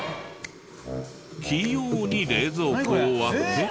器用に冷蔵庫を開け。